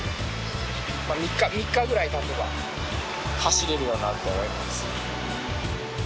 まぁ３日３日ぐらいたてば走れるようになると思います